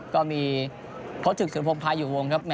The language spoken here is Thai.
ก็มีโพสต์ถึงพงภาอยู่วงครับ